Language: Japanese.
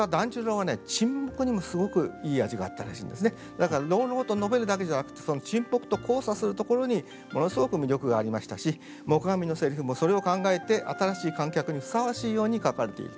だから朗々と述べるだけじゃなくてその沈黙と交差するところにものすごく魅力がありましたし黙阿弥のセリフもそれを考えて新しい観客にふさわしいように書かれているということになります。